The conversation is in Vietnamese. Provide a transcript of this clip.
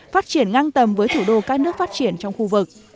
phát triển ngang tầm với thủ đô các nước phát triển trong khu vực